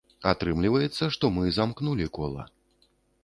Атрымліваецца, што мы замкнулі кола.